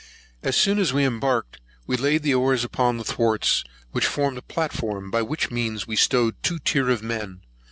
As soon as embarked, we laid the oars upon the thwarts, which formed a platform, by which means we stowed two tier of men.